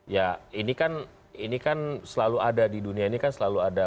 ya ini kan selalu ada di dunia ini kan selalu ada